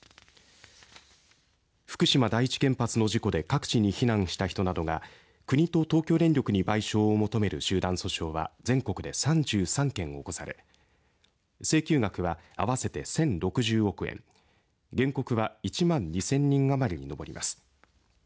福島第一原発の事故で各地に避難した人などが国と東京電力に賠償を求める集団訴訟は全国で３３件起こされ請求額は合わせて１０６０億円原告は１万２０００人余りに上ります。